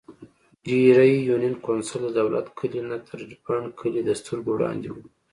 ډېرۍ يونېن کونسل ددولت کلي نه تر د بڼ کلي دسترګو وړاندې وو ـ